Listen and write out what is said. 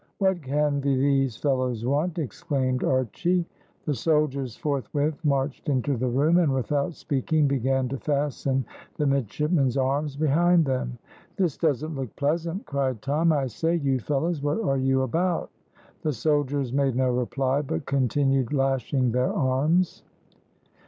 "What can these fellows want?" exclaimed Archy. The soldiers forthwith marched into the room, and, without speaking, began to fasten the midshipmen's arms behind them. "This doesn't look pleasant," cried Tom. "I say, you fellows, what are you about?" The soldiers made no reply, but continued lashing their aims.